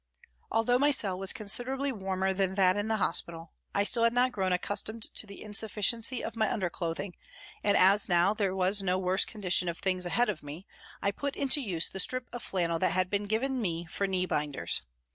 Although my cell was considerably warmer than that in the hospital, I still had not grown accustomed to the insufficiency of my underclothing, and as now there was no worse condition of things ahead of me I put into use the strip of flannel that had been given me for knee binders.